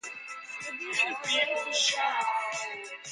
Additions were made to the church.